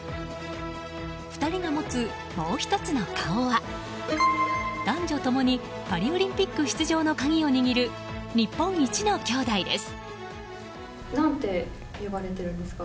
２人が持つ、もうひとつの顔は男女共にパリオリンピック出場の鍵を握る日本一の兄妹です。